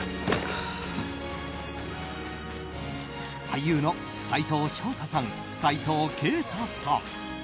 俳優の斉藤祥太さん斉藤慶太さん。